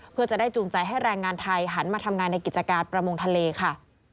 เพื่อจะได้จูงใจให้แรงงานไทยหันมาทำงานในกิจการประมงทะเลค่ะ